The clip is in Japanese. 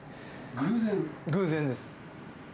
偶然です。